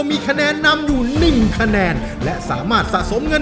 มีคะแนนนำอยู่๑คะแนนและสามารถสะสมเงิน